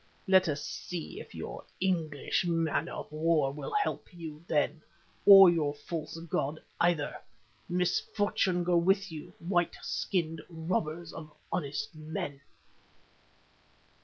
Let us see if your English man of war will help you then, or your false God either. Misfortune go with you, white skinned robbers of honest men!"